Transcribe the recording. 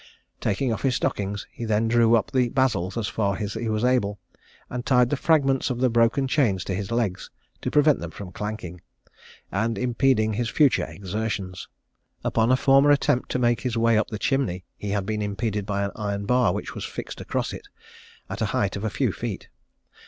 Taking off his stockings, he then drew up the basils as far as he was able, and tied the fragments of the broken chains to his legs, to prevent them from clanking, and impeding his future exertions." Upon a former attempt to make his way up the chimney, he had been impeded by an iron bar which was fixed across it, at a height of a few feet.